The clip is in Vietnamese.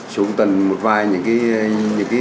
chúng cần một vài những cái